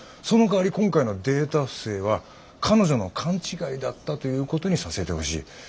そのかわり今回のデータ不正は彼女の勘違いだったということにさせてほしい。